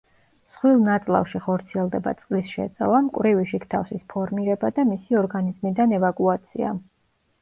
მსხვილ ნაწლავში ხორციელდება წყლის შეწოვა, მკვრივი შიგთავსის ფორმირება და მისი ორგანიზმიდან ევაკუაცია.